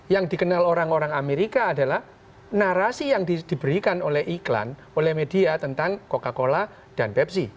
yang dikenal orang orang amerika adalah narasi yang diberikan oleh iklan oleh media tentang coca cola dan pepsi